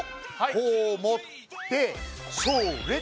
こう持ってそれ！